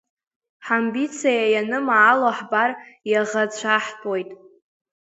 Ҳамбициа ианымаало ҳбар, иаӷацәаҳтәуеит.